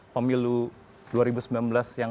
pemilu dua ribu sembilan belas yang